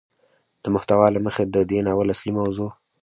د محتوا له مخې ده دې ناول اصلي موضوع